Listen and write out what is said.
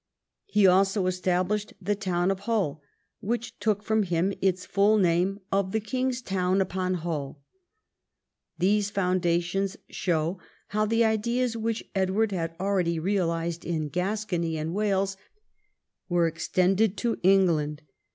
He also established the town of Hull, Avhich took from him its full name of the Kings town upon Hull. These foundations show how the ideas which Edward had already realised in Gascony and Wales were extended to England.